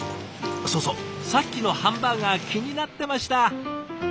そうそうさっきのハンバーガー気になってました。